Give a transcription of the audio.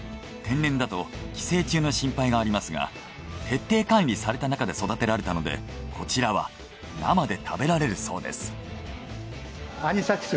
天然だと寄生虫の心配がありますが徹底管理された中で育てられたのでこちらは生で食べられるそうです。